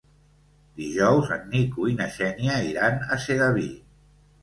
Dijous en Nico i na Xènia iran a Sedaví.